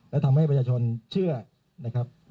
และทำให้ประชาชนเชื่อนะครับ